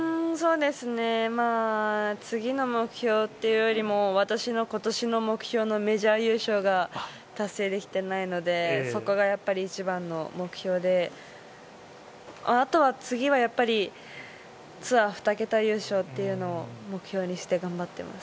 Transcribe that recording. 次の目標というよりも私の今年の目標のメジャー優勝が、達成できてないので、そこが一番の目標で、次はやっぱりツアー２桁優勝というのを目標にして頑張っています。